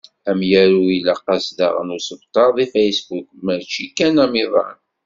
Amyaru ilaq-as daɣen usebter deg Facebook, mačči kan amiḍan.